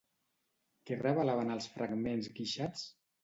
Què revelaven els fragments guixats?